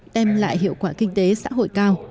đem lại hiệu quả kinh tế xã hội cao